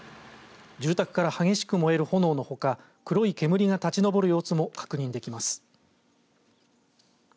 住宅から激しく燃える炎のほか黒い煙がたちのぼる様子も確認できます。